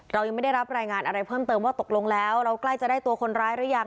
เรายังไม่ได้รับรายงานอะไรเพิ่มเติมว่าตกลงแล้วเราใกล้จะได้ตัวคนร้ายหรือยัง